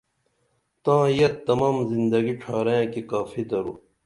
تاں یت تمم زندگی ڇھارئیں کی کافی درو